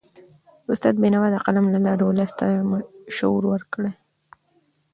استاد بینوا د قلم له لاري ولس ته شعور ورکړ.